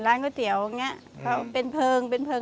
รสชาติต้องอร่อยแน่นอน